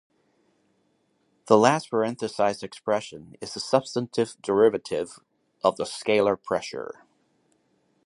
The last parenthesized expression is the substantive derivative of the scalar pressure.